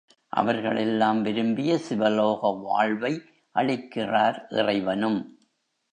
அவர்கள் எல்லாம் விரும்பிய சிவலோக வாழ்வை அளிக்கிறார் இறைவனும்.